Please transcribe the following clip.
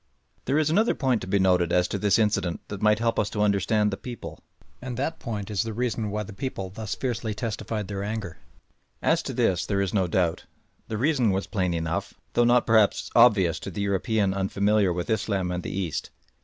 There is another point to be noted as to this incident that may help us to understand the people, and that point is the reason why the people thus fiercely testified their anger. As to this there is no doubt. The reason was plain enough, though not perhaps obvious to the European unfamiliar with Islam and the East.